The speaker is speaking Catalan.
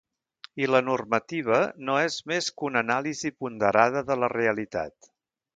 I la normativa no és més que una anàlisi ponderada de la realitat.